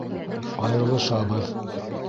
Айырылышабыҙ!